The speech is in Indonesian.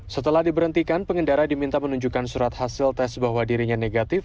setelah diberhentikan pengendara diminta menunjukkan surat hasil tes bahwa dirinya negatif